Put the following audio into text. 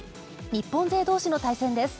日本勢どうしの対戦です。